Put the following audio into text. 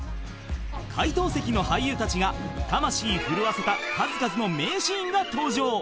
［解答席の俳優たちが魂震わせた数々の名シーンが登場］